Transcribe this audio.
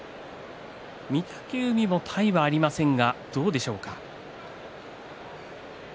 御嶽海の体はありませんがどうでしょうか。